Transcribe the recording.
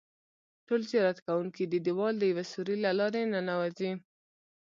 ټول زیارت کوونکي د دیوال د یوه سوري له لارې ننوځي.